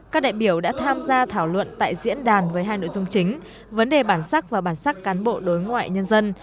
các đại biểu đã tham gia thảo luận tại diễn đàn với hai nội dung chính vấn đề bản sắc và bản sắc cán bộ đối ngoại nhân dân